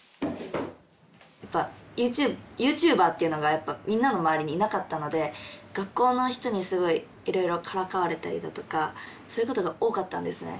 ユーチューバーっていうのがやっぱみんなの周りにいなかったので学校の人にすごいいろいろからかわれたりだとかそういうことが多かったんですね。